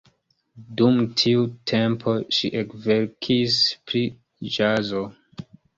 Dum tiu tempo ŝi ekverkis pri ĵazo.